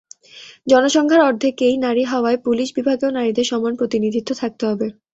জনসংখ্যার অর্ধেকই নারী হওয়ায় পুলিশ বিভাগেও নারীদের সমান প্রতিনিধিত্ব থাকতে হবে।